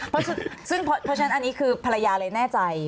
เพราะฉะนั้นอันนี้คือภรรยาเลยแน่ใจ